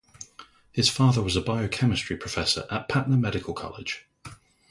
His father was a biochemistry professor at Patna Medical College.